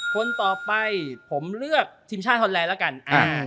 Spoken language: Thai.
คนต่อไปผมเลือกทีมชาติฮอนแลนด์แล้วกัน